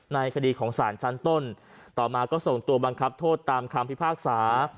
ในคดีของสารชั้นต้นต่อมาก็ส่งตัวบังคับโทษตามคำพิพากษา